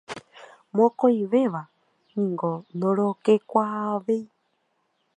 Mokõivéva niko ndorokekuaavéi.